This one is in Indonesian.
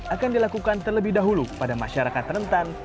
akan dilakukan terlebih dahulu pada masyarakat rentan